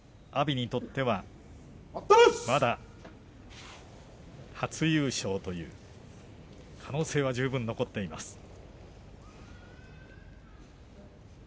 阿炎にとってはまだ初優勝という可能性は十分残っています。